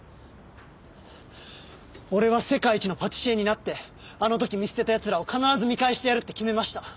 俺は世界一のパティシエになってあの時見捨てた奴らを必ず見返してやるって決めました。